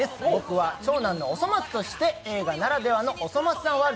僕は長男のおそまつとして映画ならではの「おそ松さん」